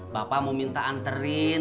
bapak mau minta anterin